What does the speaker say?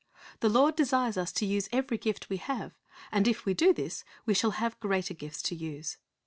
The Lord desires us to use every gift we have; and if we do this, we shall have greater gifts to use.